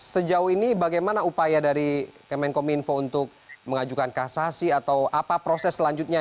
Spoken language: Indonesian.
sejauh ini bagaimana upaya dari kemenkominfo untuk mengajukan kasasi atau apa proses selanjutnya